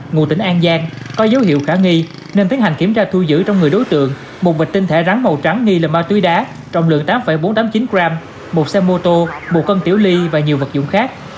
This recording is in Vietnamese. ngụ tỉnh an giang có dấu hiệu khả nghi nên tiến hành kiểm tra thu giữ trong người đối tượng một bịch tinh thể rắn màu trắng nghi là ma túy đá trọng lượng tám bốn trăm tám mươi chín g một xe mô tô một cân tiểu ly và nhiều vật dụng khác